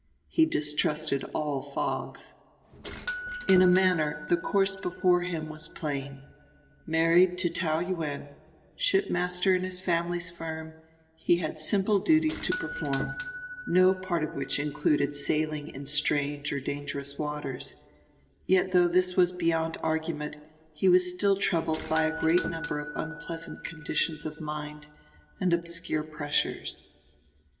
He distrusted all fogs. In a manner the course before him was plain married to Taou Yuen, shipmaster in his family's firm, he had simple duties to perform, no part of which included sailing in strange or dangerous waters; yet though this was beyond argument he was still troubled by a great number of unpleasant conditions of mind and obscure pressures.